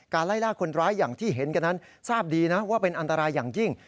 ไล่ล่าคนร้ายอย่างที่เห็นกันนั้นทราบดีนะว่าเป็นอันตรายอย่างยิ่ง